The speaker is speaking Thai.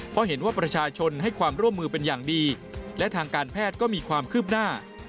เพราะเห็นว่าประชาชนให้ความร่วมมือเป็นอย่างดีและทางการแพทย์ก็มีความคืบหน้า